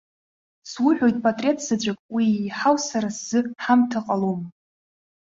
Суҳәоит, патреҭ заҵәык, уи еиҳау сара сзы ҳамҭа ҟалом!